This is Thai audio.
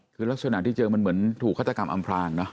คือลักษณะที่เจอมันเหมือนถูกฆาตกรรมอำพลางนะ